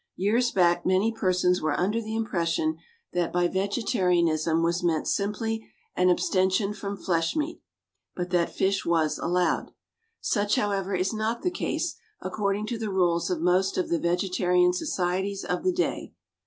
Years back many persons were under the impression that by vegetarianism was meant simply an abstention from flesh meat, but that fish was allowed. Such, however, is not the case, according to the rules of most of the Vegetarian Societies of the day.